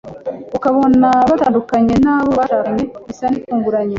ukabona batandukanye n’abo bashakanye bisa n’ibitunguranye